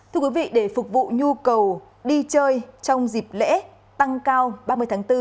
thưa quý vị để phục vụ nhu cầu đi chơi trong dịp lễ tăng cao ba mươi tháng bốn